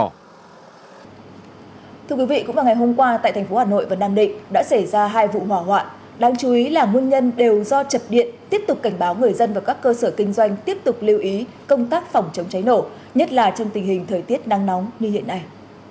thưa quý vị cũng vào ngày hôm qua tại thành phố hà nội và nam định đã xảy ra hai vụ hỏa hoạn đáng chú ý là nguyên nhân đều do chập điện tiếp tục cảnh báo người dân và các cơ sở kinh doanh tiếp tục lưu ý công tác phòng chống cháy nổ nhất là trong tình hình thời tiết nắng nóng như hiện nay